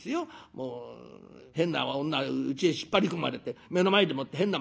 もう変な女うちへ引っ張り込まれて目の前でもって変なまねされりゃ